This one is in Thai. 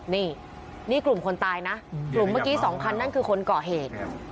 นี่นี่กลุ่มคนตายนะกลุ่มเมื่อกี้๒คันนั่นคือคนก่อเหตุ